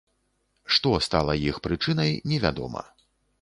Што стала іх прычынай, невядома.